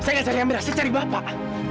saya gak cari amira saya cari bapak